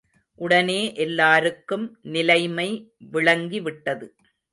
உடனே எல்லாருக்கும் நிலைமை விளங்கிவிட்டது.